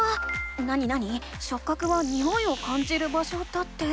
なになに「しょっ角はにおいを感じる場所」だって。